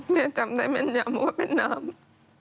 แม่จำได้แม่นยำว่าเป็นน้ำ